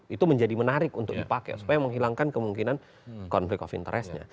itu menjadi menarik untuk dipakai supaya menghilangkan kemungkinan konflik of interestnya